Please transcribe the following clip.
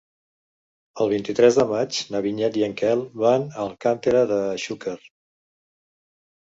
El vint-i-tres de maig na Vinyet i en Quel van a Alcàntera de Xúquer.